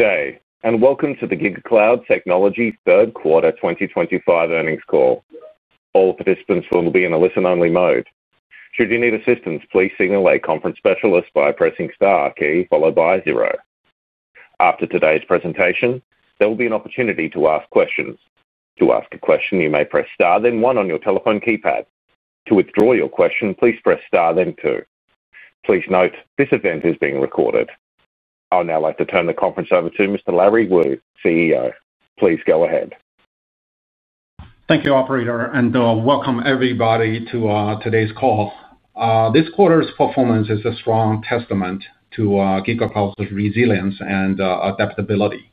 Good day, and welcome to the GigaCloud Technology Third Quarter 2025 Earnings Call. All participants will be in a listen-only mode. Should you need assistance, please signal a conference specialist by pressing the star key followed by zero. After today's presentation, there will be an opportunity to ask questions. To ask a question, you may press star then one on your telephone keypad. To withdraw your question, please press star then two. Please note this event is being recorded. I'd now like to turn the conference over to Mr. Larry Wu, CEO. Please go ahead. Thank you, operator, and welcome everybody to today's call. This quarter's performance is a strong testament to GigaCloud's resilience and adaptability.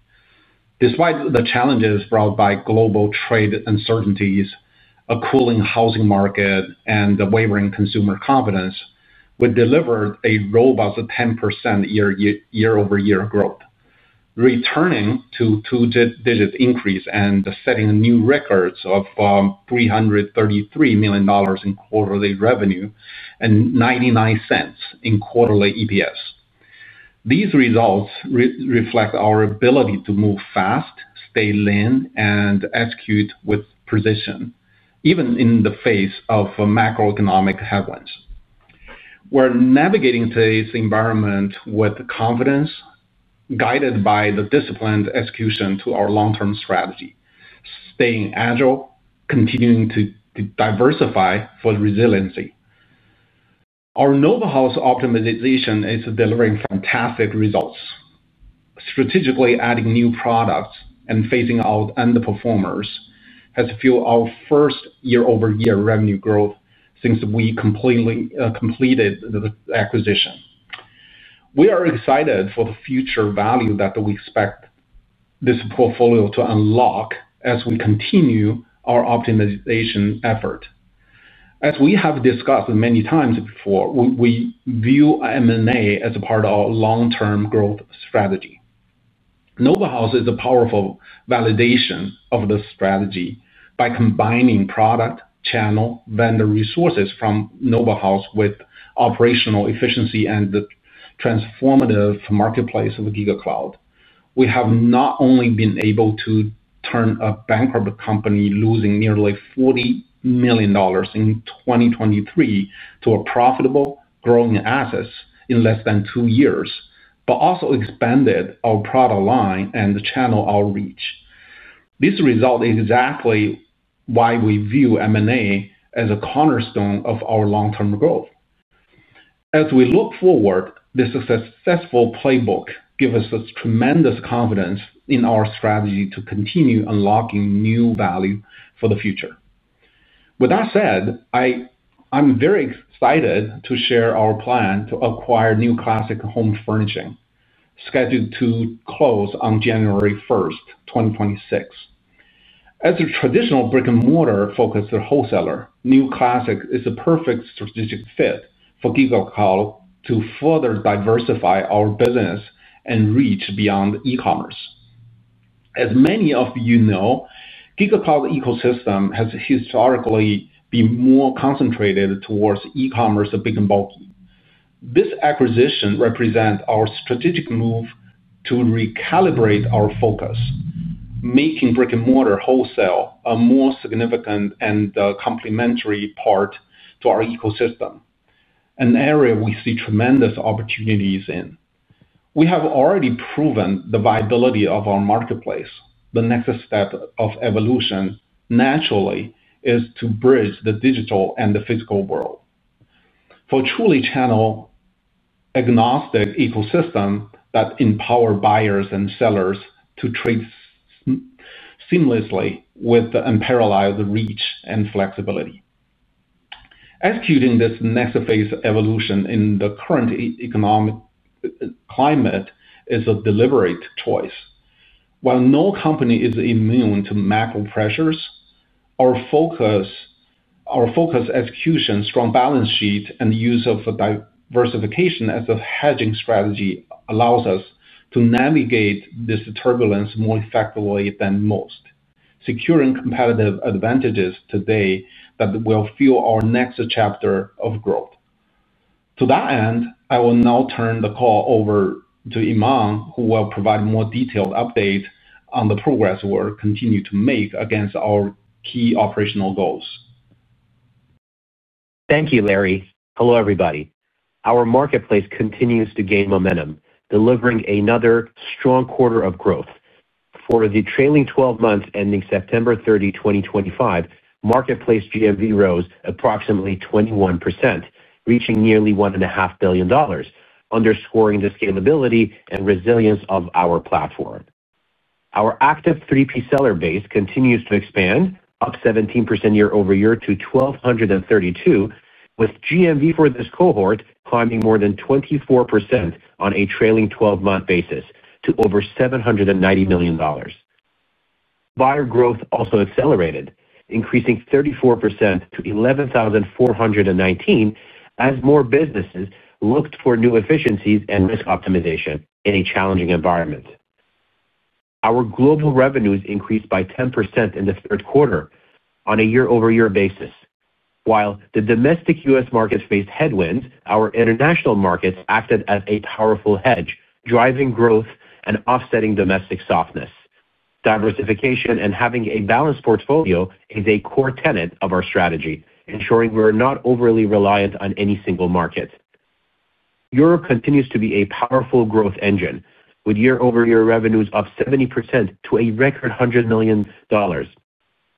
Despite the challenges brought by global trade uncertainties, a cooling housing market, and the wavering consumer confidence, we delivered a robust 10% year-over-year growth, returning to two-digit increase and setting new records of $333 million in quarterly revenue and $0.99 in quarterly EPS. These results reflect our ability to move fast, stay lean, and execute with precision, even in the face of macroeconomic headwinds. We're navigating today's environment with confidence, guided by the disciplined execution to our long-term strategy, staying agile, continuing to diversify for resiliency. Our know-how's optimization is delivering fantastic results. Strategically adding new products and phasing out underperformers has fueled our first year-over-year revenue growth since we completed the acquisition. We are excited for the future value that we expect. This portfolio to unlock as we continue our optimization effort. As we have discussed many times before, we view M&A as a part of our long-term growth strategy. Noble House is a powerful validation of the strategy by combining product, channel, and vendor resources from Noble House with operational efficiency and the transformative marketplace of GigaCloud. We have not only been able to turn a bankrupt company losing nearly $40 million in 2023 to a profitable growing asset in less than two years, but also expanded our product line and channel outreach. This result is exactly why we view M&A as a cornerstone of our long-term growth. As we look forward, this successful playbook gives us tremendous confidence in our strategy to continue unlocking new value for the future. With that said, I'm very excited to share our plan to acquire New Classic Home Furniture, scheduled to close on January 1st, 2026. As a traditional brick-and-mortar-focused wholesaler, New Classic is a perfect strategic fit for GigaCloud to further diversify our business and reach beyond e-commerce. As many of you know, the GigaCloud ecosystem has historically been more concentrated towards e-commerce and pick-and-book. This acquisition represents our strategic move to recalibrate our focus, making brick-and-mortar wholesale a more significant and complementary part of our ecosystem, an area we see tremendous opportunities in. We have already proven the viability of our marketplace. The next step of evolution, naturally, is to bridge the digital and the physical world. For a truly channel-agnostic ecosystem that empowers buyers and sellers to trade seamlessly with unparalleled reach and flexibility. Executing this next-phase evolution in the current economic climate is a deliberate choice. While no company is immune to macro pressures, our focus execution, strong balance sheet, and use of diversification as a hedging strategy allow us to navigate this turbulence more effectively than most, securing competitive advantages today that will fuel our next chapter of growth. To that end, I will now turn the call over to Iman, who will provide more detailed updates on the progress we're continuing to make against our key operational goals. Thank you, Larry. Hello, everybody. Our marketplace continues to gain momentum, delivering another strong quarter of growth. For the trailing 12 months ending September 30, 2025, marketplace GMV rose approximately 21%, reaching nearly $1.5 billion, underscoring the scalability and resilience of our platform. Our active 3P seller base continues to expand, up 17% year-over-year to 1,232, with GMV for this cohort climbing more than 24% on a trailing 12-month basis to over $790 million. Buyer growth also accelerated, increasing 34% to 11,419 as more businesses looked for new efficiencies and risk optimization in a challenging environment. Our global revenues increased by 10% in the third quarter on a year-over-year basis. While the domestic U.S. markets faced headwinds, our international markets acted as a powerful hedge, driving growth and offsetting domestic softness. Diversification and having a balanced portfolio is a core tenet of our strategy, ensuring we're not overly reliant on any single market. Europe continues to be a powerful growth engine, with year-over-year revenues of 70% to a record $100 million,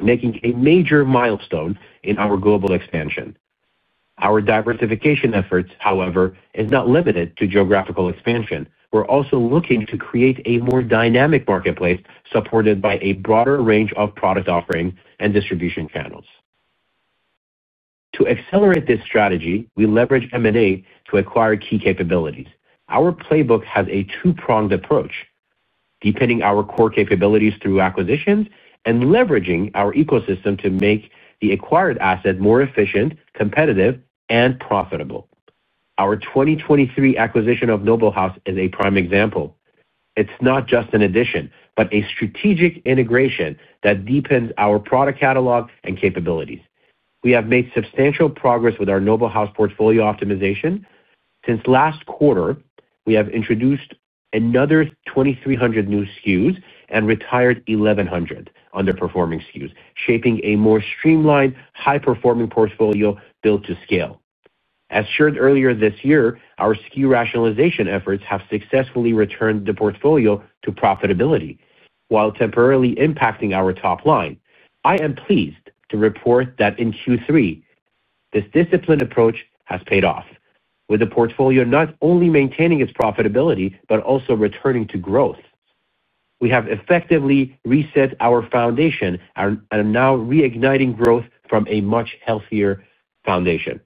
making a major milestone in our global expansion. Our diversification efforts, however, are not limited to geographical expansion. We're also looking to create a more dynamic marketplace supported by a broader range of product offerings and distribution channels. To accelerate this strategy, we leverage M&A to acquire key capabilities. Our playbook has a two-pronged approach, depending on our core capabilities through acquisitions and leveraging our ecosystem to make the acquired asset more efficient, competitive, and profitable. Our 2023 acquisition of Noble House is a prime example. It's not just an addition, but a strategic integration that deepens our product catalog and capabilities. We have made substantial progress with our Noble House portfolio optimization. Since last quarter, we have introduced another 2,300 new SKUs and retired 1,100 underperforming SKUs, shaping a more streamlined, high-performing portfolio built to scale. As shared earlier this year, our SKU rationalization efforts have successfully returned the portfolio to profitability, while temporarily impacting our top line. I am pleased to report that in Q3, this disciplined approach has paid off, with the portfolio not only maintaining its profitability but also returning to growth. We have effectively reset our foundation and are now reigniting growth from a much healthier foundation.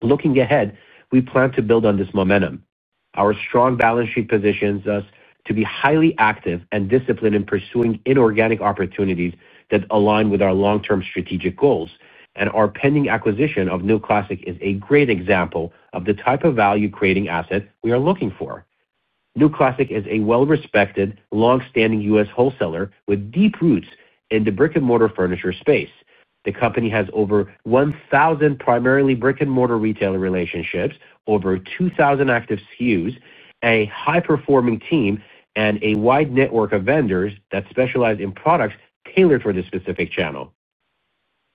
Looking ahead, we plan to build on this momentum. Our strong balance sheet positions us to be highly active and disciplined in pursuing inorganic opportunities that align with our long-term strategic goals, and our pending acquisition of New Classic is a great example of the type of value-creating asset we are looking for. New Classic is a well-respected, long-standing U.S. wholesaler with deep roots in the brick-and-mortar furniture space. The company has over 1,000 primarily brick-and-mortar retailer relationships, over 2,000 active SKUs, a high-performing team, and a wide network of vendors that specialize in products tailored for this specific channel.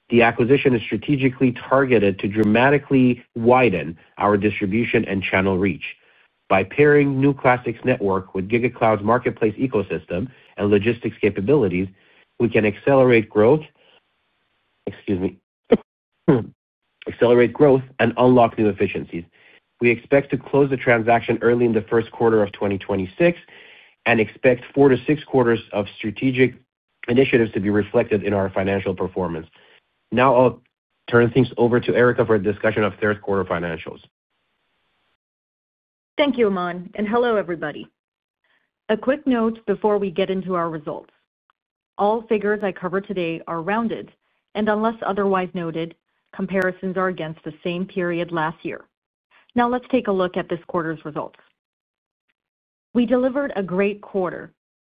The acquisition is strategically targeted to dramatically widen our distribution and channel reach. By pairing New Classic's network with GigaCloud's marketplace ecosystem and logistics capabilities, we can accelerate growth. We unlock new efficiencies. We expect to close the transaction early in the first quarter of 2026 and expect four to six quarters of strategic initiatives to be reflected in our financial performance. Now, I'll turn things over to Erica for a discussion of third-quarter financials. Thank you, Iman. Hello, everybody. A quick note before we get into our results. All figures I cover today are rounded, and unless otherwise noted, comparisons are against the same period last year. Now, let's take a look at this quarter's results. We delivered a great quarter,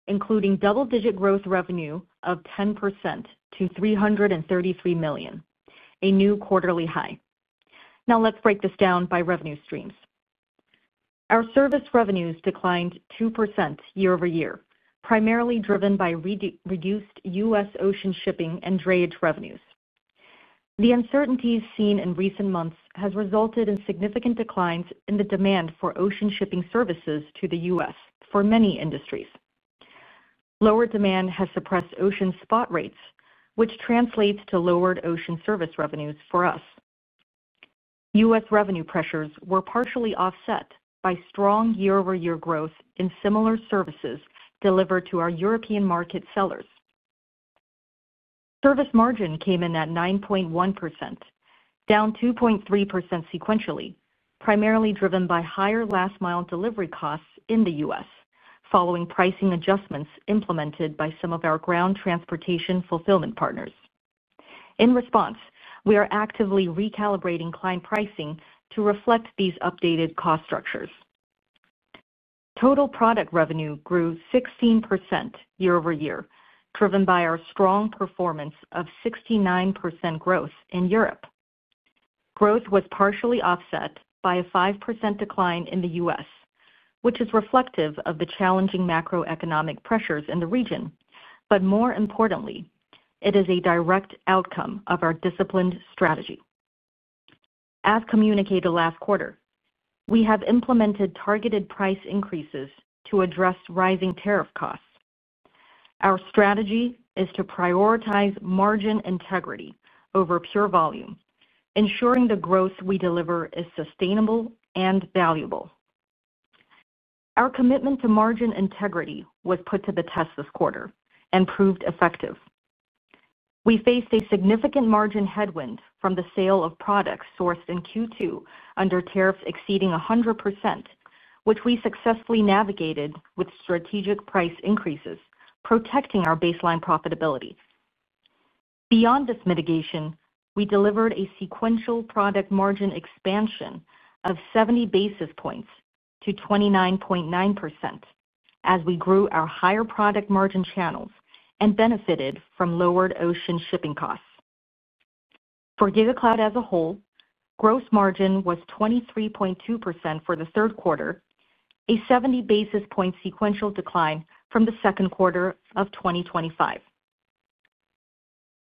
including double-digit growth revenue of 10% to $333 million, a new quarterly high. Now, let's break this down by revenue streams. Our service revenues declined 2% year-over-year, primarily driven by reduced U.S. ocean shipping and drayage revenues. The uncertainties seen in recent months have resulted in significant declines in the demand for ocean shipping services to the U.S. for many industries. Lower demand has suppressed ocean spot rates, which translates to lowered ocean service revenues for us. U.S. revenue pressures were partially offset by strong year-over-year growth in similar services delivered to our European market sellers. Service margin came in at 9.1%. Down 2.3% sequentially, primarily driven by higher last-mile delivery costs in the U.S., following pricing adjustments implemented by some of our ground transportation fulfillment partners. In response, we are actively recalibrating client pricing to reflect these updated cost structures. Total product revenue grew 16% year-over-year, driven by our strong performance of 69% growth in Europe. Growth was partially offset by a 5% decline in the U.S., which is reflective of the challenging macroeconomic pressures in the region, but more importantly, it is a direct outcome of our disciplined strategy. As communicated last quarter, we have implemented targeted price increases to address rising tariff costs. Our strategy is to prioritize margin integrity over pure volume, ensuring the growth we deliver is sustainable and valuable. Our commitment to margin integrity was put to the test this quarter and proved effective. We faced a significant margin headwind from the sale of products sourced in Q2 under tariffs exceeding 100%, which we successfully navigated with strategic price increases, protecting our baseline profitability. Beyond this mitigation, we delivered a sequential product margin expansion of 70 basis points to 29.9% as we grew our higher product margin channels and benefited from lowered ocean shipping costs. For GigaCloud as a whole, gross margin was 23.2% for the third quarter, a 70 basis point sequential decline from the second quarter of 2025.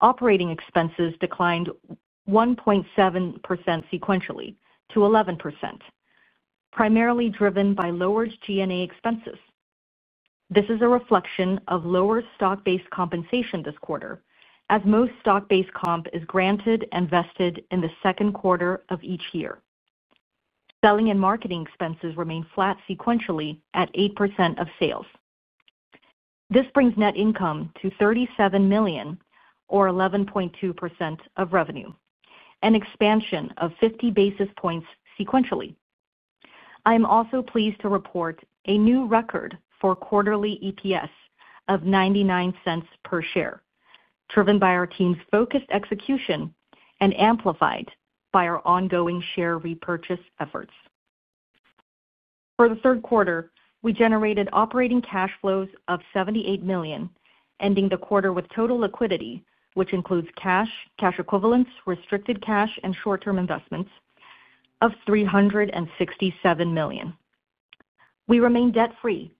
Operating expenses declined 1.7% sequentially to 11%. Primarily driven by lowered G&A expenses. This is a reflection of lower stock-based compensation this quarter, as most stock-based comp is granted and vested in the second quarter of each year. Selling and marketing expenses remain flat sequentially at 8% of sales. This brings net income to $37 million, or 11.2% of revenue, an expansion of 50 basis points sequentially. I am also pleased to report a new record for quarterly EPS of $0.99 per share, driven by our team's focused execution and amplified by our ongoing share repurchase efforts. For the third quarter, we generated operating cash flows of $78 million, ending the quarter with total liquidity, which includes cash, cash equivalents, restricted cash, and short-term investments, of $367 million. We remain debt-free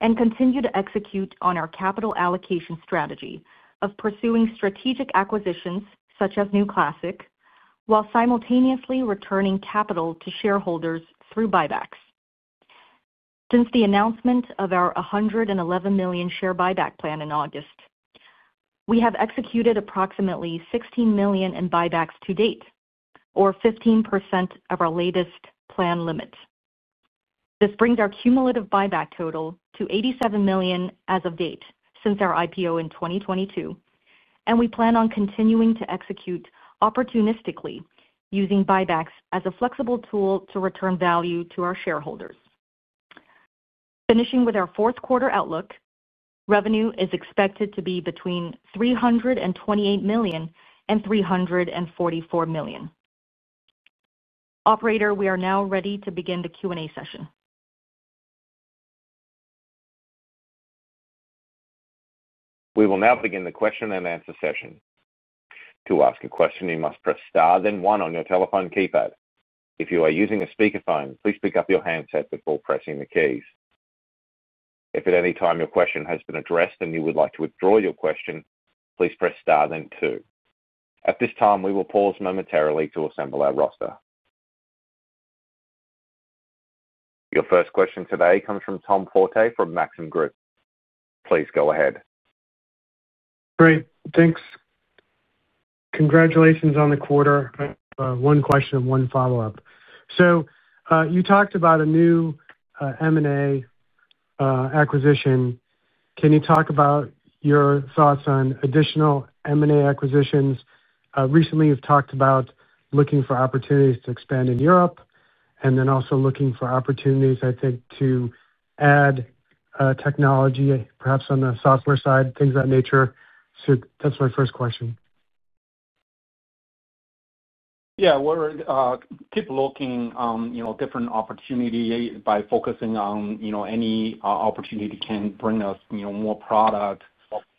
and continue to execute on our capital allocation strategy of pursuing strategic acquisitions such as New Classic while simultaneously returning capital to shareholders through buybacks. Since the announcement of our $111 million share buyback plan in August, we have executed approximately $16 million in buybacks to date, or 15% of our latest plan limit. This brings our cumulative buyback total to $87 million as of date since our IPO in 2022, and we plan on continuing to execute opportunistically using buybacks as a flexible tool to return value to our shareholders. Finishing with our fourth-quarter outlook, revenue is expected to be between $328 million and $344 million. Operator, we are now ready to begin the Q&A session. We will now begin the question and answer session. To ask a question, you must press star then one on your telephone keypad. If you are using a speakerphone, please pick up your handset before pressing the keys. If at any time your question has been addressed and you would like to withdraw your question, please press star then two. At this time, we will pause momentarily to assemble our roster. Your first question today comes from Tom Forte from Maxim Group. Please go ahead. Great. Thanks. Congratulations on the quarter. One question and one follow-up. You talked about a new M&A acquisition. Can you talk about your thoughts on additional M&A acquisitions? Recently, you've talked about looking for opportunities to expand in Europe and then also looking for opportunities, I think, to add technology, perhaps on the software side, things of that nature. That's my first question. Yeah. We keep looking on different opportunities by focusing on any opportunity that can bring us more product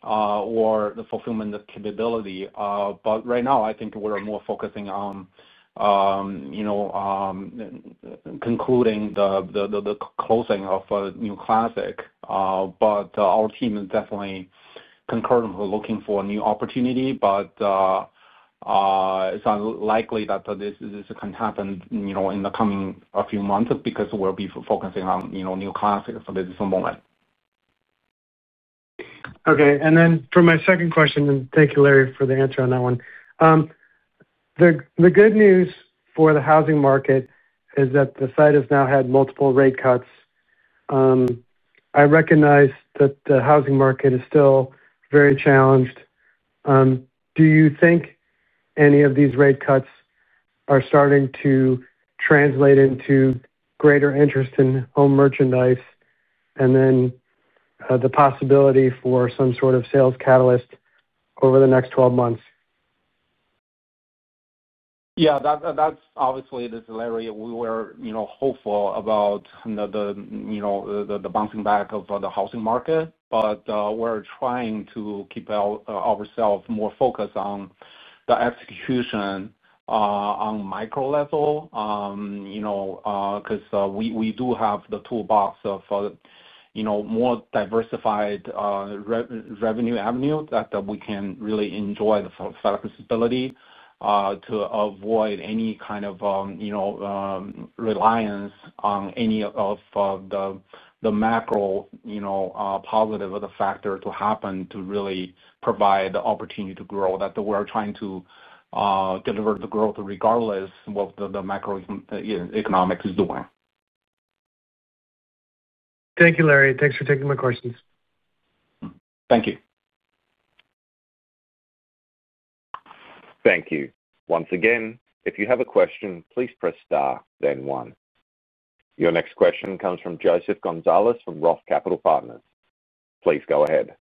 or the fulfillment of capability. Right now, I think we're more focusing on concluding the closing of New Classic. Our team is definitely concurrently looking for a new opportunity, but it's unlikely that this can happen in the coming few months because we'll be focusing on New Classic for the distant moment. Okay. For my second question, and thank you, Larry, for the answer on that one. The good news for the housing market is that the site has now had multiple rate cuts. I recognize that the housing market is still very challenged. Do you think any of these rate cuts are starting to translate into greater interest in home merchandise and the possibility for some sort of sales catalyst over the next 12 months? Yeah. That's obviously the scenario we were hopeful about. The bouncing back of the housing market. We're trying to keep ourselves more focused on the execution, on micro level, because we do have the toolbox of more diversified revenue avenue that we can really enjoy the flexibility to avoid any kind of reliance on any of the macro positive factors to happen to really provide the opportunity to grow. We're trying to deliver the growth regardless of what the macroeconomics is doing. Thank you, Larry. Thanks for taking my questions. Thank you. Thank you. Once again, if you have a question, please press star then One. Your next question comes from Joseph Gonzalez from Roth Capital Partners. Please go ahead.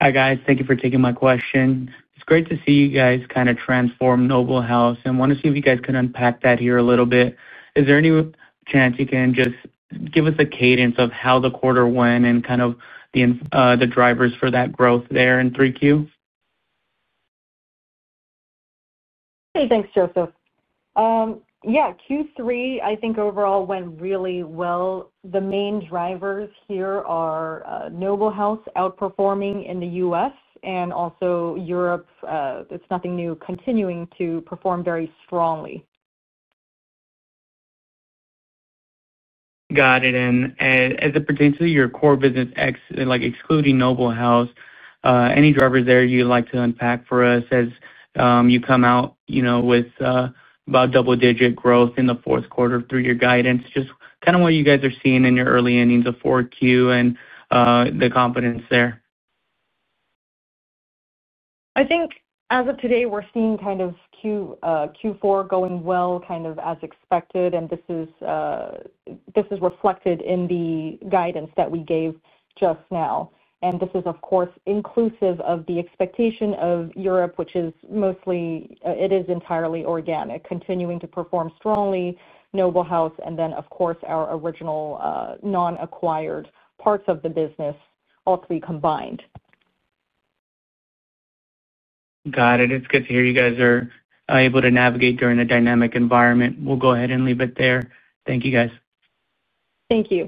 Hi, guys. Thank you for taking my question. It's great to see you guys kind of transform Noble House. I want to see if you guys can unpack that here a little bit. Is there any chance you can just give us a cadence of how the quarter went and kind of the drivers for that growth there in Q3? Hey, thanks, Joseph. Yeah, Q3, I think overall went really well. The main drivers here are Noble House outperforming in the U.S. and also Europe. It's nothing new, continuing to perform very strongly. Got it. As it pertains to your core business, excluding Noble House, any drivers there you'd like to unpack for us as you come out with about double-digit growth in the fourth quarter through your guidance? Just kind of what you guys are seeing in your early innings of Q4 and the confidence there. I think as of today, we're seeing kind of Q4 going well kind of as expected, and this is reflected in the guidance that we gave just now. This is, of course, inclusive of the expectation of Europe, which is mostly, it is entirely organic, continuing to perform strongly, Noble House, and then, of course, our original non-acquired parts of the business, all three combined. Got it. It's good to hear you guys are able to navigate during a dynamic environment. We'll go ahead and leave it there. Thank you, guys. Thank you.